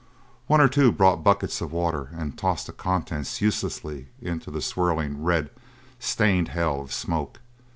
One or two brought buckets of water and tossed the contents uselessly into the swirling, red stained hell of smoke.